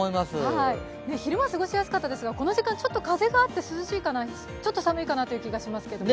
昼間は過ごしやすかったですが、この時間風があってちょっと寒いかなという気がしますね。